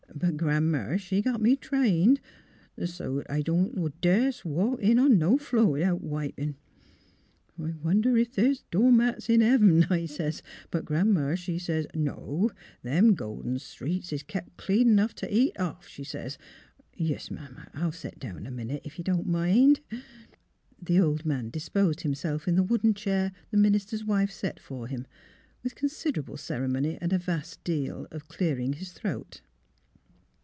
'' But Gran'ma, she's got me trained, so 't I don't das' t' walk in on no floor 'ithout wipin'. ' I wonder if th's door mats in heav'n,' I sez. But Gran'ma, she sez, ' No. Them Golden Streets is kep' clean 'nough t' eat off of,' she sez, ... Tes'm, I'll set down a minute, if you don't mind." The old man disposed himself in the wooden chair the minister's wife set for him, with con siderable ceremony and a vast deal of clearing his throat.